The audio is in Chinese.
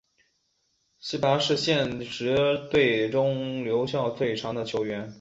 希拔是现时队中留效最长的球员。